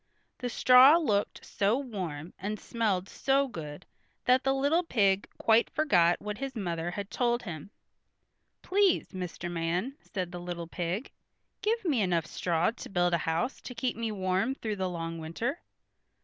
The straw looked so warm, and smelled so good that the little pig quite forgot what his mother had told him. "Please, Mr. Man," said the little pig, "give me enough straw to build a house to keep me warm through the long winter."